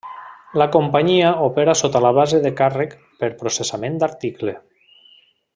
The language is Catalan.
La companyia opera sota la base de càrrec per processament d'article.